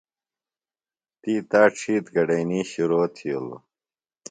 تی تا ڇِھیتر گڈئینی شرو تِھیلوۡ۔